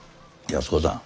安子さん。